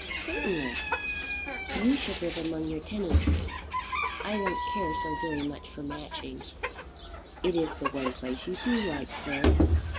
"Certainly." "You should live among your tenantry. I don't care so very much for Matching." "It is the one place you do like, sir."